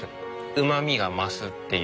うまみが増すっていう。